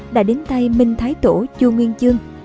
đã đến tay minh thái tổ chu nguyên chương